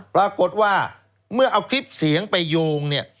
ปรากฏว่าเมื่อเอาคลิปเสียงไปโยงเนี่ย